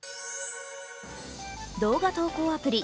動画投稿アプリ